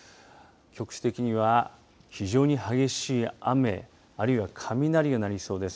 局地的には非常に激しい雨あるいは雷が鳴りそうです。